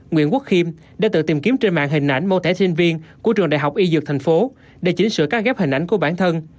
nguyễn quốc khiêm đã tự tìm kiếm trên mạng hình ảnh mô thẻ sinh viên của trường đại học y dược tp hcm để chỉnh sửa các ghép hình ảnh của bản thân